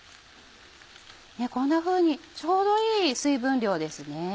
こんなふうにちょうどいい水分量ですね。